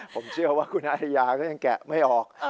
ผมเชื่อว่าคุณอาริยาก็ยังแกะไม่ออก